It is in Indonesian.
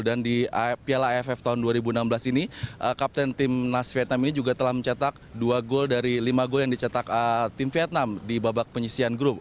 dan di piala aff tahun dua ribu enam belas ini kapten tim nasi vietnam ini juga telah mencetak dua gol dari lima gol yang dicetak tim vietnam di babak penyisian grup